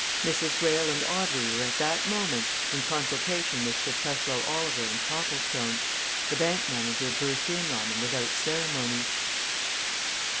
Mrs. Greyle and Audrey were at that moment in consultation with Sir Cresswell Oliver and Copplestone the bank manager burst in on them without ceremony.